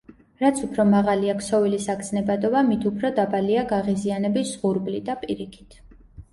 რაც უფრო მაღალია ქსოვილის აგზნებადობა, მით უფორ დაბალია გაღიზიანების ზღურბლი და პირიქით.